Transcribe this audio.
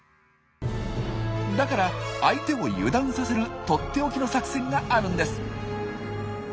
だから相手を油断させるとっておきの作戦があるんです。